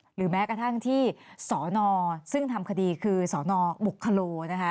หรือแม้กระทั่งที่สนซึ่งทำคดีคือสนบุคโลนะคะ